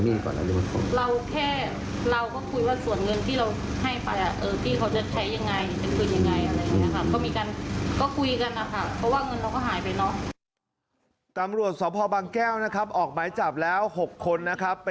มีการไปโทรงหนี้อะไรไหมครับ